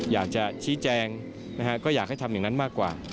อยากจะชี้แจงนะฮะก็อยากให้ทำอย่างนั้นมากกว่า